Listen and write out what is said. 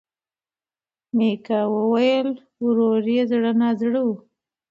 میکا وویل ورور یې زړه نا زړه و.